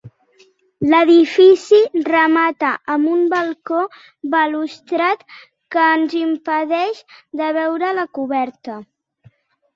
L'edifici remata amb un balcó balustrat que ens impedeix de veure la coberta.